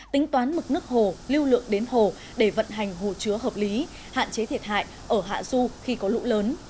tính toán mực nước hồ lưu lượng đến hồ để vận hành hồ chứa hợp lý hạn chế thiệt hại ở hạ du khi có lũ lớn